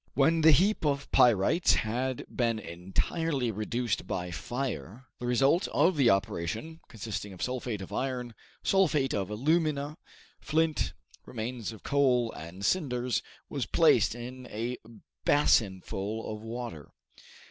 When the heap of pyrites had been entirely reduced by fire, the result of the operation, consisting of sulphate of iron, sulphate of alumina, flint, remains of coal, and cinders was placed in a basinful of water.